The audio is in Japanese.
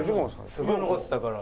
すごい怒ってたから。